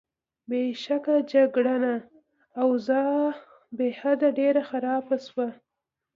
بېشکه، جګړن: اوضاع بېحده ډېره خرابه شوه.